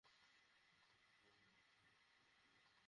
সঙ্গী যদি ভুল শোধরাতে আন্তরিক, সেটা অবশ্যই সহৃদয়তার সঙ্গে বিবেচনা করুন।